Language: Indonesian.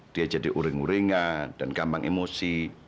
dia jadi uring uringan dan gampang emosi